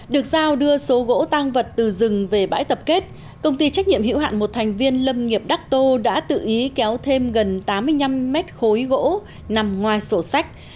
được giao đưa số gỗ tăng vật từ rừng về bãi tập kết công ty trách nhiệm hữu hạn một thành viên lâm nghiệp đắc tô đã tự ý kéo thêm gần tám mươi năm mét khối gỗ nằm ngoài sổ sách